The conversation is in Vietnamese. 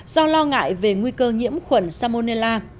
do lo ngại về nguy cơ nhiễm khuẩn salmonella